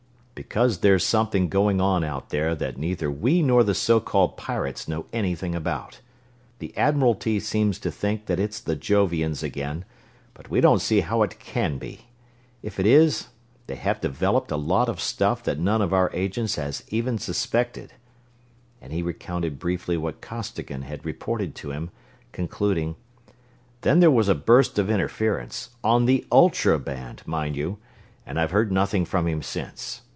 "Because there's something going on out there that neither we nor the so called pirates know anything about. The Admiralty seems to think that it's the Jovians again, but we don't see how it can be if it is, they have developed a lot of stuff that none of our agents has even suspected," and he recounted briefly what Costigan had reported to him, concluding: "Then there was a burst of interference on the ultra band, mind you and I've heard nothing from him since.